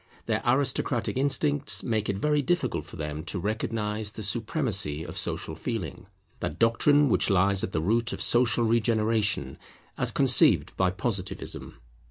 Their aristocratic instincts make it very difficult for them to recognize the supremacy of Social Feeling; that doctrine which lies at the root of social regeneration, as conceived by Positivism.